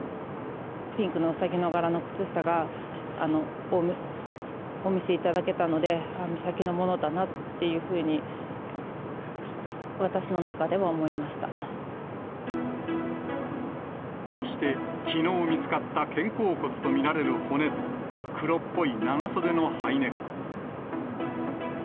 ピンクのウサギの柄の靴下がお見せいただけたので、あ、美咲のものだなというふうに、そして、きのう見つかった肩甲骨と見られる骨と、黒っぽい長袖のハイネック。